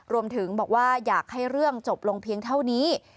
รวมถึงบอกว่าอยากให้เรื่องจบลงเพียงเท่านี้